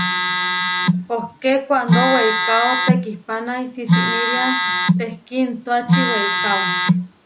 Poké kuándo weikáo tekihpánai, sisimíria tehkiintuáči weikáo.